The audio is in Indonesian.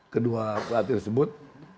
kedua pelatih tersebut